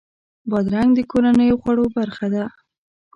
بادرنګ د کورنیو خوړو برخه ده.